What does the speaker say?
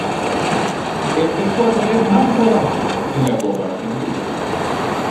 Empezó a tener más rodaje en la copa argentina.